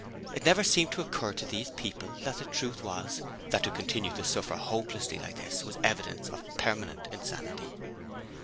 It never seemed to occur to these people that the truth was that to continue to suffer hopelessly like this was evidence of permanent insanity.